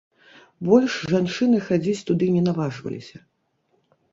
Больш жанчыны хадзіць туды не наважваліся.